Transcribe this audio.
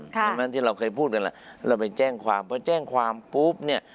ที่เราเคยพูดกันล่ะเราไปแจ้งความเพราะแจ้งความปุ๊บเนี่ย